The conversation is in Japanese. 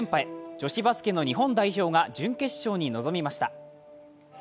女子バスケの日本代表が準決勝に臨みました。